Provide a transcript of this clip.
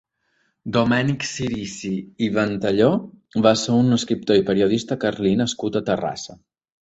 Domènec Cirici i Ventalló va ser un escriptor i periodista carlí nascut a Terrassa.